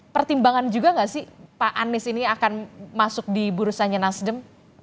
pertimbangan juga nggak sih pak anies ini akan masuk di bursanya nasdem